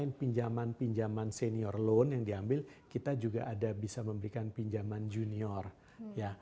mungkin pinjaman pinjaman senior loan yang diambil kita juga ada bisa memberikan pinjaman junior ya